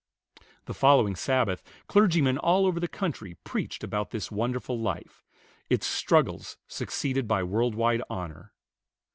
The following Sabbath clergymen all over the country preached about this wonderful life: its struggles succeeded by world wide honor.